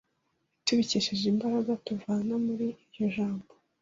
tubikesheje imbaraga tuvana muri iryo Jambo